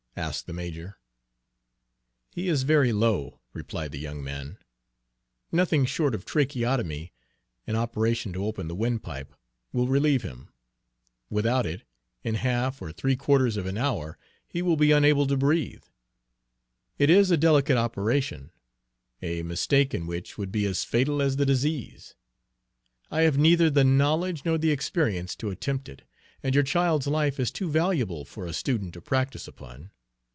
asked the major. "He is very low," replied the young man. "Nothing short of tracheotomy an operation to open the windpipe will relieve him. Without it, in half or three quarters of an hour he will be unable to breathe. It is a delicate operation, a mistake in which would be as fatal as the disease. I have neither the knowledge nor the experience to attempt it, and your child's life is too valuable for a student to practice upon.